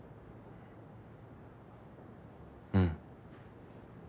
うん。